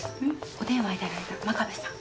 お電話頂いた真壁さん。